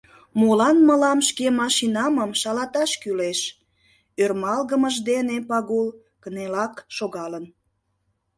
Молан мылам шке машинамым шалаташ кӱлеш? — ӧрмалгымыж дене Пагул кынелак шогалын.